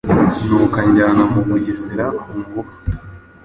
nuko anjyana mu Bugesera kungufu.”